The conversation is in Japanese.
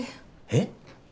えっ？